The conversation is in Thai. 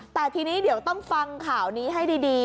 แต่ทีนี้เดี๋ยวต้องฟังข่าวนี้ให้ดี